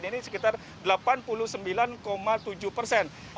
artinya ini juga menjadi dasar bagaimana pemerintah kemudian membuka wisatawan domestik